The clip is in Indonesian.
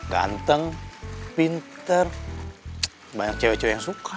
ganteng pinter banyak cewek cewek yang suka